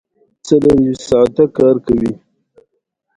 ننګرهار د افغانستان د صادراتو برخه ده.